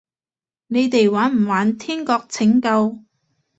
你哋玩唔玩天國拯救？